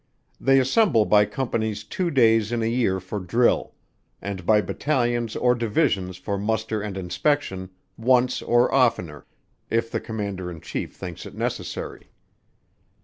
They assemble by companies two days in a year for drill; and by battalions or divisions for muster and inspection, once or oftener, if the Commander in Chief thinks it necessary.